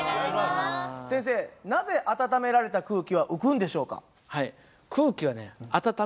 先生なぜ温められた空気は浮くんでしょうか？